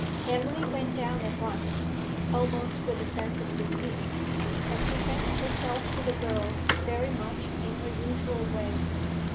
Emily went down at once, almost with a sense of relief, and presented herself to the girls very much in her usual way.